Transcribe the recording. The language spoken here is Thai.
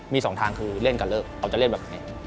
มีสองทางคือเล่นกับเลิกเราจะเล่นแบบนี้